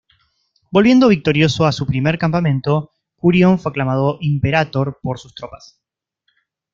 Volviendo victorioso a su primer campamento, Curión fue aclamado "imperator" por sus tropas.